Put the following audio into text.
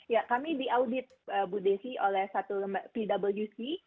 ya kami diaudit bu desi oleh satu pwc